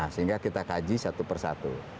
sehingga kita kaji satu persatu